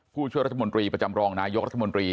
ผู้ช่วยรัฐมนตรีประจำรองนายกรัฐมนตรี